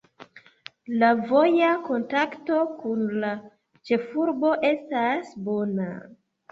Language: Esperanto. La voja kontakto kun la ĉefurbo estas bona.